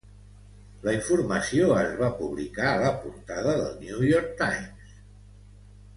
La informació es va publicar a la portada del "New York Times".